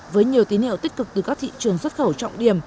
với nhiều tín hiệu tích cực từ các thị trường xuất khẩu trọng điểm